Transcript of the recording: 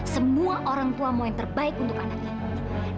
semua orang tua mau yang terbaik untuk anaknya